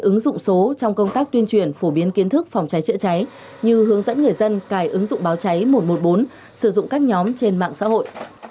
ứng dụng số trong công tác tuyên truyền phổ biến kiến thức phòng cháy chữa cháy như hướng dẫn người dân cài ứng dụng báo cháy một trăm một mươi bốn sử dụng các nhóm trên mạng xã hội